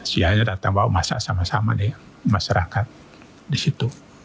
sianya datang bawa masak sama sama deh masyarakat di situ